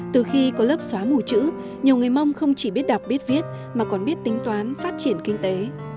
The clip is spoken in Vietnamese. từ khi có lớp xóa mù chữ nhiều người mong không chỉ biết đọc biết viết mà còn biết tính toán phát triển kinh tế